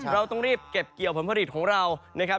เราต้องรีบเก็บเกี่ยวผลผลิตของเรานะครับ